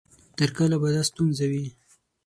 تر کله به دا ستونزه وي؟